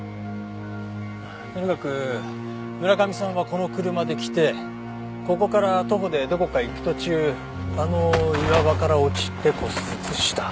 とにかく村上さんはこの車で来てここから徒歩でどこかへ行く途中あの岩場から落ちて骨折した。